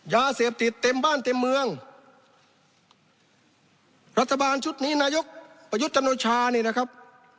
ยาเสพติดเต็มบ้านเต็มเมืองรัฐบาลชุดนี้นายกประยุทธ์จันโอชานี่นะครับ